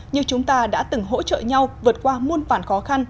như chúng ta đã từng hỗ trợ nhau vượt qua muôn phản khó khăn